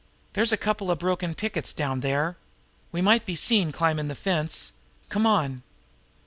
There's a couple of broken pickets down there. We might be seen climbin' the fence. Come on!"